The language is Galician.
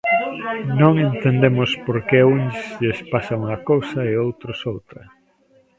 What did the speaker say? Non entendemos porque a uns lles pasa unha cousa e a outros outra.